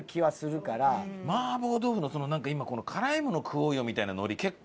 麻婆豆腐のなんか今辛いもの食おうよみたいなノリ結構。